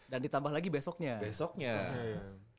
dan ditambah lagi besoknya besoknya iya